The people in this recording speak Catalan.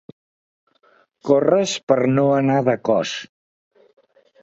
Corres per no anar de cos.